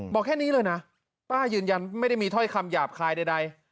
บอกแค่นี้เลยนะป้ายืนยันไม่ได้มีถ้อยคำหยาบคายใด